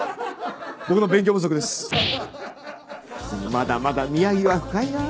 まだまだ宮城は深いな。